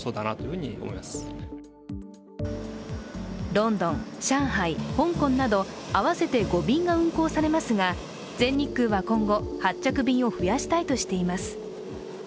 ロンドン、上海、香港など合わせて５便が運航されますが全日空は今後、発着便を増やしたいとしています。